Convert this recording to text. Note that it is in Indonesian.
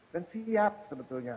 dan siap sebetulnya